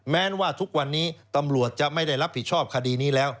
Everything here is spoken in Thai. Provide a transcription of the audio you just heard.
แม้ว่าทุกวันนี้ตำรวจจะไม่ได้รับผิดชอบคดีนี้แล้ว